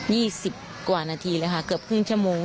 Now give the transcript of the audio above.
สิบกว่านาทีเลยค่ะเกือบครึ่งชั่วโมง